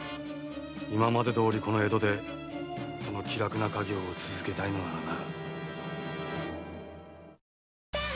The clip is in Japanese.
今までどおりこの江戸でその気楽な稼業を続けたいのならな。